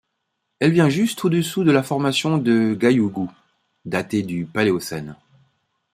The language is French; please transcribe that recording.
Elle vient juste au-dessous de la formation de Gaoyugou datée du Paléocène.